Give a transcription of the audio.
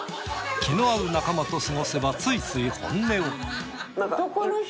気の合う仲間と過ごせばついつい本音を。